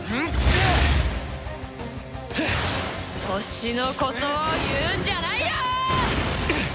年のことを言うんじゃないよーっ！！